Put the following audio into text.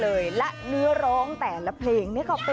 มอลำคลายเสียงมาแล้วมอลำคลายเสียงมาแล้ว